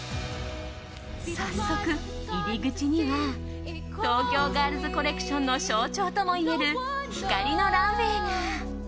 早速、入り口には東京ガールズコレクションの象徴ともいえる光のランウェーが。